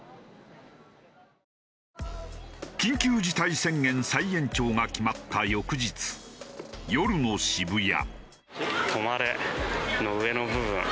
緊急事態宣言再延長が決まった翌日夜の渋谷。